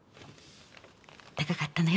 高かったのよ